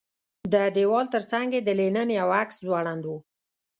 د دېوال ترڅنګ یې د لینن یو عکس ځوړند و